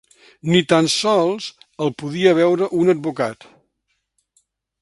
Ni tan sols el podia veure un advocat